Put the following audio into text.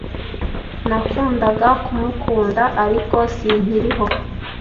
Nakundaga kumukunda, ariko sinkiriho.